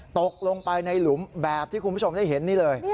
ตกลงไปในหลุมแบบที่คุณผู้ชมได้เห็นนี่เลย